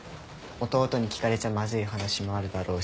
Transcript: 弟に聞かれちゃまずい話もあるだろうし。